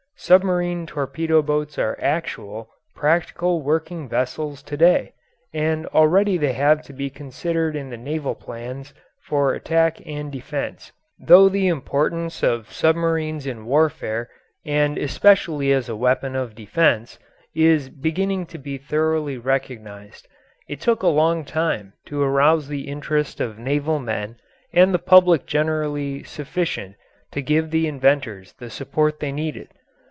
Submarine torpedo boats are actual, practical working vessels to day, and already they have to be considered in the naval plans for attack and defense. Though the importance of submarines in warfare, and especially as a weapon of defense, is beginning to be thoroughly recognised, it took a long time to arouse the interest of naval men and the public generally sufficient to give the inventors the support they needed.